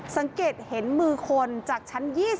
สังเกตเห็นมือคนจากชั้น๒๐